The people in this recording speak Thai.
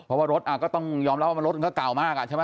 เพราะว่ารถก็ต้องยอมเล่าว่ารถก็เก่ามาก